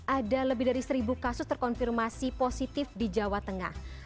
ada lebih dari seribu kasus terkonfirmasi positif di jawa tengah